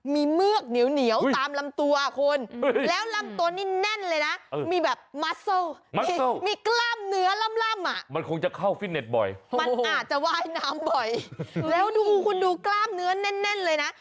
มีเมือกเหนียวเหนียวตามลำตัวคนแล้วลำตัวนี้แน่นเลยนะ